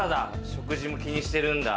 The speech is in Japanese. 食事も気にしてるんだ。